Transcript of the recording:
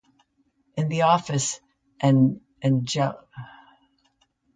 In the office, Angelus confronts Rebecca and his two employees.